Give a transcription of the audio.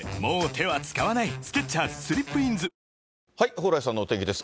蓬莱さんのお天気です。